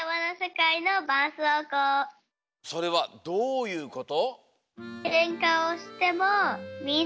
それはどういうこと？